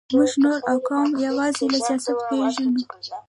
موږ نور اقوام یوازې له سیاست پېژنو.